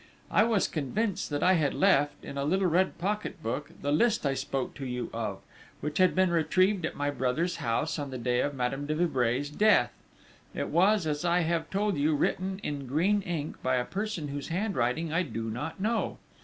_ _I was convinced that I had left, in a little red pocket book, the list I spoke to you of, which had been retrieved at my brother's house on the day of Madame de Vibray's death. It was, as I have told you, written in green ink by a person whose handwriting I do not know.